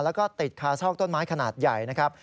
แล้วก็ติดคาซอกต้นไม้ขนาดใหญ่นะครับ